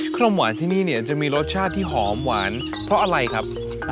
ความหวานที่นี่เนี่ยจะมีรสชาติที่หอมหวานเพราะอะไรครับ